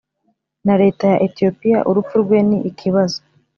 na leta ya Ethiopia urupfu rwe ni ikibazo.